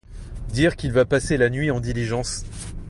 Dire qu'il va passer la nuit en diligence!